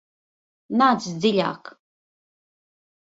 Nāc dziļāk!